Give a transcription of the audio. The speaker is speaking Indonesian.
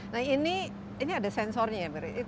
nah ini ada sensornya ya